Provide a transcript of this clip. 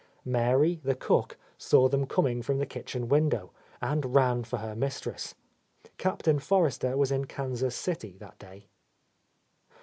Mary, the cook, saw them coming from the kitchen window, and ran for her mistress. Cap tain Forrester was in Kansas City that day.